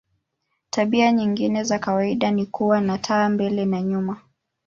Tabia nyingine za kawaida ni kuwa na taa mbele na nyuma.